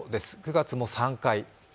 ９月も３回。